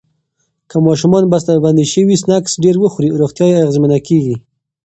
که ماشومان بستهبندي شوي سنکس ډیر وخوري، روغتیا یې اغېزمنه کېږي.